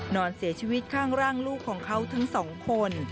นอนเสียชีวิตข้างร่างลูกของเขาทั้งสองคน